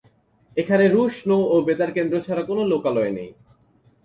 এখানে রুশ নৌ ও বেতার কেন্দ্র ছাড়া কোন লোকালয় নেই।